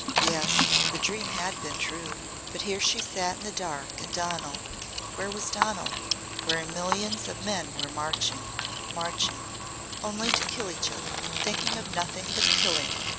Yes, the dream had been true. But here she sat in the dark and Donal where was Donal? Where millions of men were marching, marching only to kill each other thinking of nothing but killing.